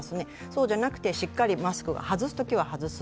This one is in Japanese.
そうじゃなくて、しっかりマスクは外すときは外す。